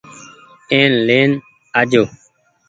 اين لين آجو ۔